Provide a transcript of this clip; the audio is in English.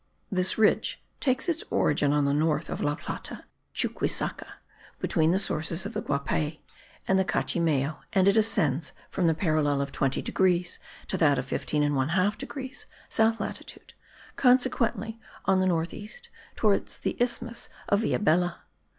This ridge takes its origin on the north of La Plata (Chuquisaca) between the sources of the Guapaix and the Cachimayo, and it ascends from the parallel of 20 degrees to that of 15 1/2 degrees south latitude, consequently on the north east, towards the isthmus of Villabella.